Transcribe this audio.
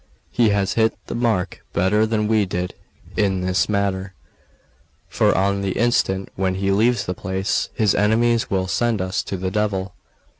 He has hit the mark better than we did in this matter; for on the instant when he leaves the place, his enemies will send us to the devil.